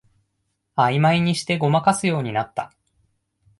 あいまいにしてごまかすようになった